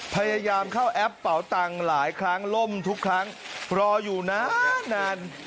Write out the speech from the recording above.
พยายามเข้าแอปเป่าตังค์หลายครั้งล่มทุกครั้งรออยู่นานนาน